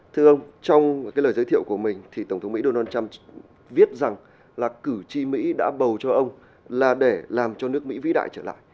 thưa ông trong cái lời giới thiệu của mình thì tổng thống mỹ donald trump viết rằng là cử tri mỹ đã bầu cho ông là để làm cho nước mỹ vĩ đại trở lại